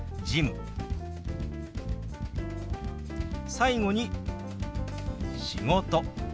最後に「仕事」。